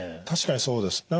確かにそうです。